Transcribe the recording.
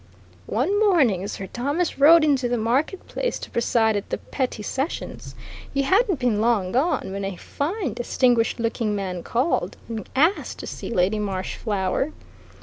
One morning Sir Thomas rode into the market town to preside at the petty sessions he hadn't been long gone when a fine, distinguished looking man called, and asked to see Lady Marshflower.